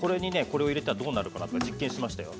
これを入れたらどうなるかなとか実験しましたよ。